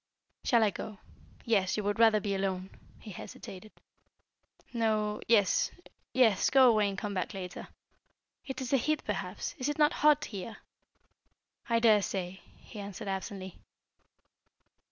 "Shall I go. Yes, you would rather be alone " he hesitated. "No yes yes, go away and come back later. It is the heat perhaps; is it not hot here?" "I daresay," he answered absently.